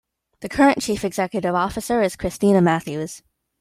The current Chief Executive Officer is Christina Matthews.